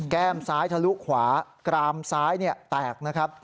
แก้มซ้ายทะลุขวากรามซ้ายเนี่ยแตกนะครับ